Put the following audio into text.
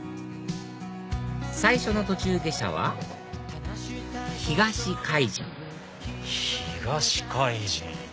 最初の途中下車は東海神東海神。